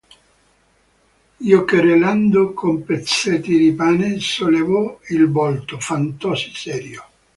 Giocherellando con pezzetti di pane, sollevò il volto, fattosi serio.